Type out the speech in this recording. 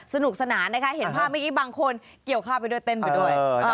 สนุกสนานนะคะเห็นภาพเมื่อกี้บางคนเกี่ยวข้าวไปด้วยเต้นไปด้วย